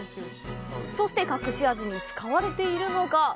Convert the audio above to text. そして、隠し味に使われているのが。